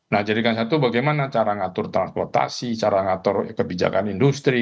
nah jadikan satu bagaimana cara ngatur transportasi cara ngatur kebijakan industri